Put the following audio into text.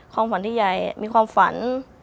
ความฝันที่ใหญ่มีความฝัน